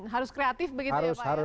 harus kreatif begitu ya pak ya